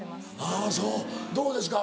あぁそうどうですか？